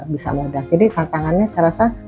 bisa mudah jadi tantangannya saya rasa